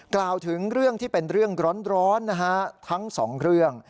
กล่าวถึงเรื่องที่เป็นเรื่องร้อนนะฮะทั้งสองเรื่อง